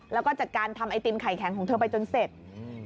แล้วก็จัดการทำไอติมไข่แข็งของเธอไปจนเสร็จอืม